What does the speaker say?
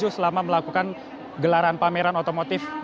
selama melakukan gelaran pameran otomotif